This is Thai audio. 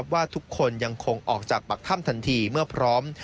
ว่าทุกคนยังคงออกจากปากถ้ำทันทีเมื่อพร้อม